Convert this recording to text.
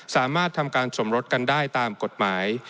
สามารถทำการสมรสกันได้ตามกฎหมาย